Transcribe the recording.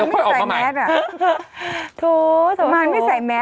กุมารไม่ใส่แมสอะ